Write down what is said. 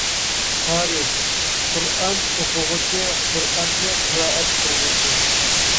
قارىي: قۇرئان ئوقۇغۇچى، قۇرئاننى قىرائەت قىلغۇچى.